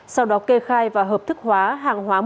sau đó kê khai và hợp thức hóa hàng hóa